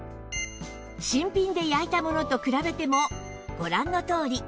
新品で焼いたものと比べてもご覧のとおり